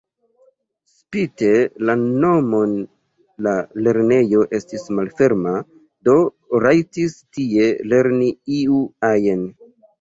Spite la nomon la lernejo estis malferma, do rajtis tie lerni iu ajn.